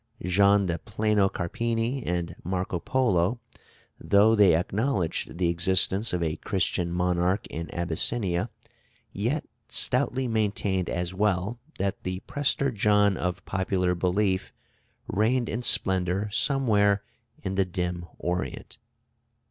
John de Plano Carpini and Marco Polo, though they acknowledged the existence of a Christian monarch in Abyssinia, yet stoutly maintained as well that the Prester John of popular belief reigned in splendor somewhere in the dim Orient.